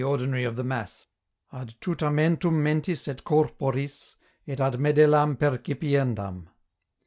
123 ordinary of the Mass " ad tutamentum mentis et corporis et ad medelam percipiendam."